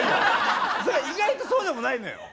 意外とそうでもないのよ。